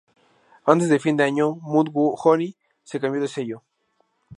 Antes de fin de año Mudhoney se cambió de sello.